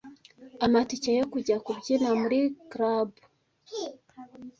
amatike yo kujya kubyina muri K Club;